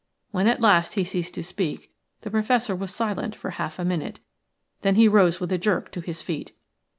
When at last he ceased to speak the Professor was silent for half a minute, then he rose with a jerk to his feet.